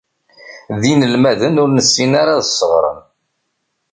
D inelmaden ur nessin ara ad sseɣren.